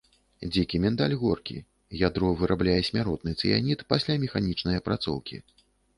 Дзікі міндаль горкі, ядро вырабляе смяротны цыянід пасля механічнай апрацоўкі.